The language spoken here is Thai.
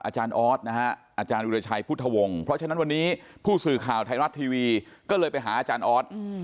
อาจารย์ออสนะฮะอาจารย์วิราชัยพุทธวงศ์เพราะฉะนั้นวันนี้ผู้สื่อข่าวไทยรัฐทีวีก็เลยไปหาอาจารย์ออส